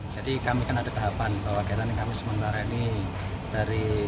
jadi kami kan ada tahapan bahwa keadaan yang kami sementara ini dari